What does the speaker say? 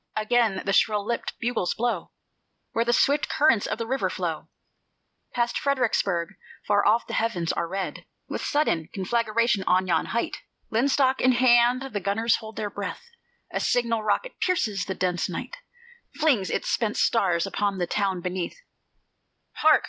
Again the shrill lipped bugles blow Where the swift currents of the river flow Past Fredericksburg; far off the heavens are red With sudden conflagration: on yon height, Linstock in hand, the gunners hold their breath; A signal rocket pierces the dense night, Flings its spent stars upon the town beneath: Hark!